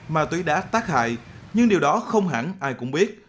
ma túy đã tác hại nhưng điều đó không hẳn ai cũng biết